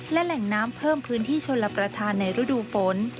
และแหล่งน้ำเพิ่มพื้นที่ชนรับประทานในฤดูฝน